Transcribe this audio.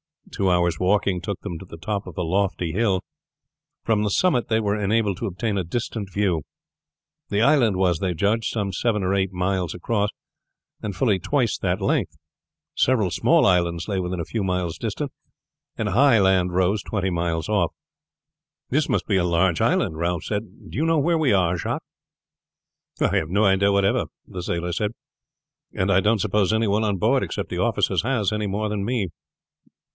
Two hours' walking took them to the top of a lofty hill. From the summit they were enabled to obtain a distant view. The island was, they judged, some seven or eight miles across, and fully twice that length. Several small islands lay within a few miles distant, and high land rose twenty miles off. "This must be a large island," Ralph said. "Do you know where we are, Jacques?" "I have no idea whatever," the sailor said; "and I don't suppose any one on board, except the officers, has, any more than me.